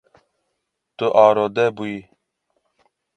Tu arode bûyî.